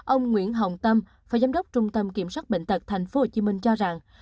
ông nguyễn hồng tâm phó giám đốc trung tâm kiểm soát bệnh tật tp hcm cho rằng